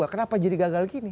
kenapa jadi gagal gini